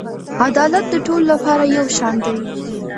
عدالت د ټولو لپاره یو شان دی.